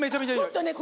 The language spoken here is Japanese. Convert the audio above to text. ちょっとね